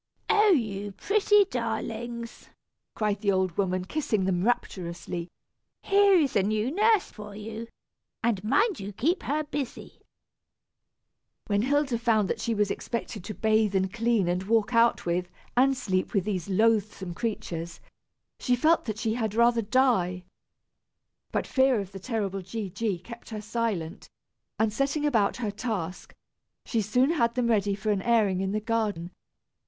"Oh! you pretty darlings!" cried the old woman, kissing them rapturously, "here is a new nurse for you; and mind you keep her busy." When Hilda found that she was expected to bathe, and clean, and walk out with, and sleep with these loathsome creatures, she felt that she had rather die. But fear of the terrible G. G. kept her silent, and setting about her task, she soon had them ready for an airing in the garden.